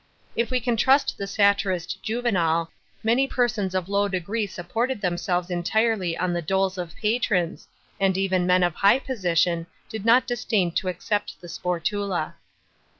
If we can trusr, the satirist Juvenal, many persons of low decree supported themselves entirely on the doles of patrons, and even men of hign position did not disdain to accept the sportula.